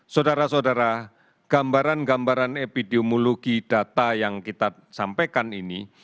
saudara saudara gambaran gambaran epidemiologi data yang kita sampaikan ini